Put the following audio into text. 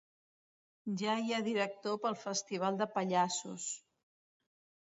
Ja hi ha director pel Festival de Pallassos